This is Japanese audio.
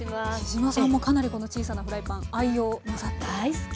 杵島さんもかなりこの小さなフライパン愛用なさってると。